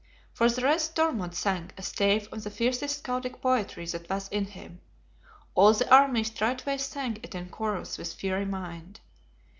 For the rest Thormod sang a stave of the fiercest Skaldic poetry that was in him; all the army straightway sang it in chorus with fiery mind.